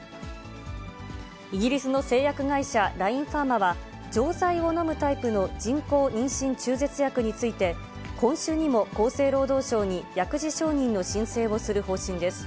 イギリスの製薬会社、ラインファーマは、錠剤をのむタイプの人工妊娠中絶薬について、今週にも厚生労働省に薬事承認の申請をする方針です。